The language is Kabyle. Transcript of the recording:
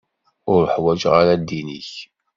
Ur ḥwaǧeɣ ara ddin-ik.